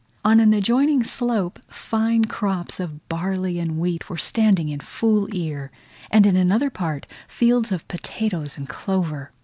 On an adjoining slope, fine crops of barley and wheat were standing in full ear; and in another part, fields of potatoes and clover.